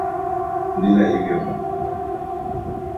bila hivyo